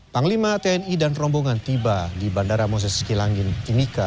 panglima tni dan rombongan tiba di bandara moses kilangin timika